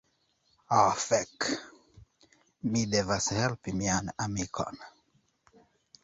Ah fek, mi devas helpi mian amikon.